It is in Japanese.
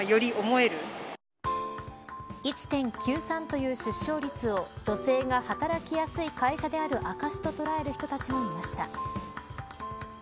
１．９３という出生率を女性が働きやすい会社である証しと捉える人たちもいました。